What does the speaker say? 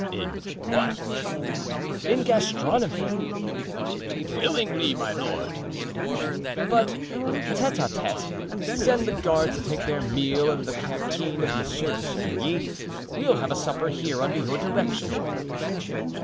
"In what?" "In gastronomy?" "Willingly, my lord." "But tete a tete. Send the guards to take their meal in the canteen of Monsieur de Chavigny; we'll have a supper here under your direction."